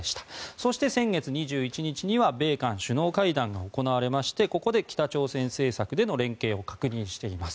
そして先月２１日には米韓首脳会談が行われましてここで北朝鮮政策での連携を確認しています。